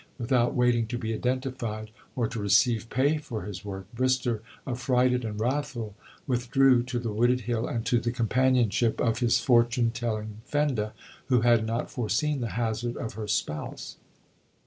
Without waiting to be identified, or to receive pay for his work, Brister, affrighted and wrathful, withdrew to the wooded hill and to the companionship of his fortune telling Fenda, who had not foreseen the hazard of her spouse.